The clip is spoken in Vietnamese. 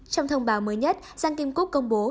trong thông báo mới nhất giang kim cúc công bố